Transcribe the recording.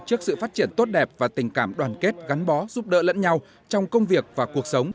trước sự phát triển tốt đẹp và tình cảm đoàn kết gắn bó giúp đỡ lẫn nhau trong công việc và cuộc sống